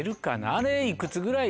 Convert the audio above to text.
あれいくつぐらい？